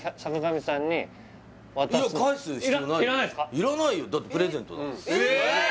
いらないよだってプレゼントだもんえっ